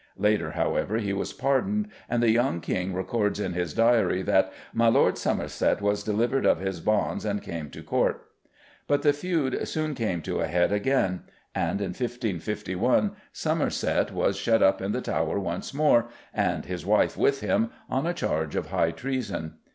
Later, however, he was pardoned, and the young King records in his diary that "My Lorde Somerset was delivered of his bondes and came to Court." But the feud soon came to a head again, and in 1551 Somerset was shut up in the Tower once more, and his wife with him, on a charge of high treason.